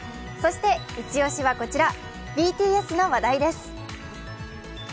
そしてイチオシはこちら、ＢＴＳの話題です。